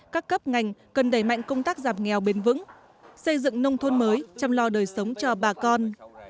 cần đẩy mạnh công tác giảm nghèo bền vững xây dựng nông thôn mới chăm lo đời sống cho bà con